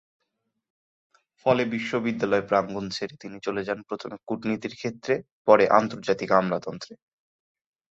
ফলে বিশ্ববিদ্যালয়-প্রাঙ্গণ ছেড়ে তিনি চলে যান প্রথমে কূটনীতির ক্ষেত্রে, পরে আন্তর্জাতিক আমলাতন্ত্রে।